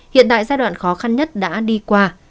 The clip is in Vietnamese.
hiện tại giai đoạn khó khăn nhất đã đi qua